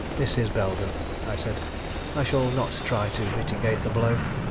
"Mrs. Belden," I said, "I shall not try to mitigate the blow.